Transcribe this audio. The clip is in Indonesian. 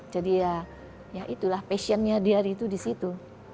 jadi ya itulah passionnya dia di situ